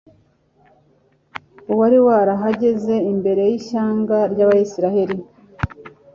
uwari warahagaze imbere yishyanga ryAbisirayeli